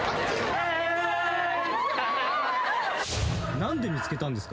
何で見つけたんですか？